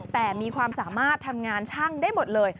แต่มีความสามารถทำงานช่างได้หมดเลย